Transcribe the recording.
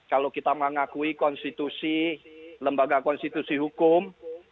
kalau kita mengakui konstitusi lembaga konstitusi hukum